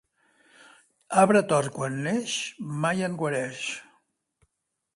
Arbre tort quan neix mai en guareix.